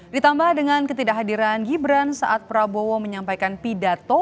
ditambah dengan ketidakhadiran gibran saat prabowo menyampaikan pidato